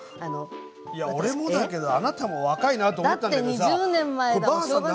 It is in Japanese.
いや俺もだけどあなたも若いなと思ったんだけどさ。